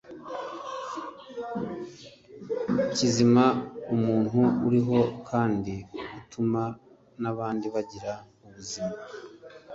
Kizima: umuntu uriho kandi utuma n’abandi bagira ubuzima.